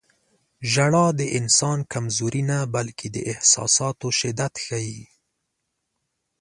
• ژړا د انسان کمزوري نه، بلکې د احساساتو شدت ښيي.